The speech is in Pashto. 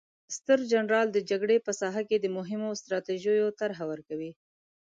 ستر جنرال د جګړې په ساحه کې د مهمو ستراتیژیو طرحه ورکوي.